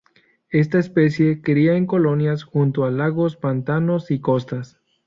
Esta especie cría en colonias junto a lagos, pantanos y costas.